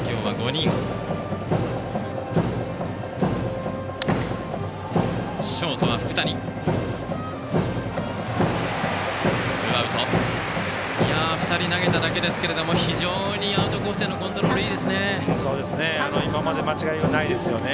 ２人投げただけですけれども非常にアウトコースへのコントロールがいいですね。